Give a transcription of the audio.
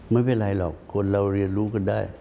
ไม่เป็นไรหรอกคนเราเรียนรู้กันได้